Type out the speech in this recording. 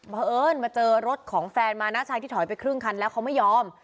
เพราะเอิญมาเจอรถของแฟนมาน้าชายที่ถอยไปครึ่งคันแล้วเขาไม่ยอม